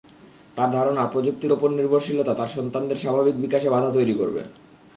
তাঁর ধারণা, প্রযুক্তির ওপর নির্ভরশীলতা তাঁর সন্তানদের স্বাভাবিক বিকাশে বাধা তৈরি করবে।